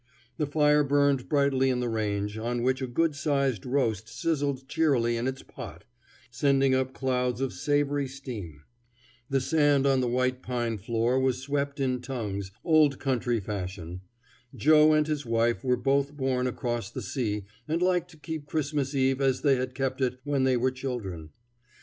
The fire burned brightly in the range, on which a good sized roast sizzled cheerily in its pot, sending up clouds of savory steam. The sand on the white pine floor was swept in tongues, old country fashion. Joe and his wife were both born across the sea, and liked to keep Christmas eve as they had kept it when they were children.